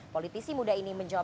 politisi muda ini menjawab